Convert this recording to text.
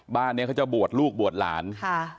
บ้านเนี้ยเขาจะบวชลูกบวชหลานค่ะ